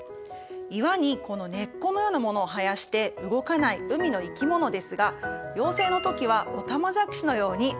岩にこの根っこのようなものを生やして動かない海の生き物ですが幼生の時はオタマジャクシのように泳ぐんです。